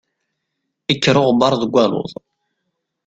Ikker uɣebbar deg waluḍ.